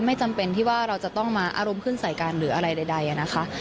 ไม่จำเป็นที่ว่าเราจะต้องมาอารมณ์ขึ้นใส่กันหรืออะไรใดนะคะ